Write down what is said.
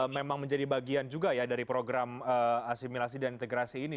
memang menjadi bagian juga ya dari program asimilasi dan integrasi ini